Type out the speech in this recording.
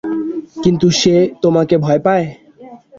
কিন্তু সে তোমাকে ভয় পায়?